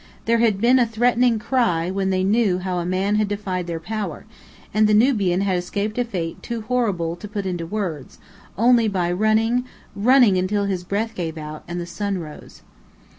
There had been a threatening cry when they knew how a man had defied their power, and the Nubian had escaped a fate too horrible to put in words, only by running, running, until his breath gave out, and the sun rose.